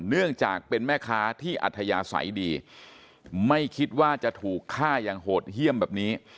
เนื่องจากเป็นแม่ค้าที่อัธยาศัยดีไม่คิดว่าจะถูกฆ่าอย่างโหดเยี่ยมแบบนี้